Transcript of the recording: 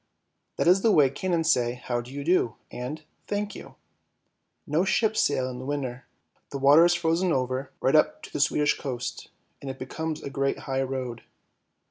That is the way cannons say " how do you do " and " thank you." No ships sail in the winter, the water is frozen over, right up to the Swedish coast, and it becomes a great high road.